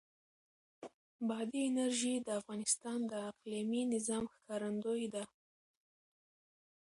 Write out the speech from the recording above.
بادي انرژي د افغانستان د اقلیمي نظام ښکارندوی ده.